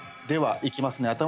ではいきますね。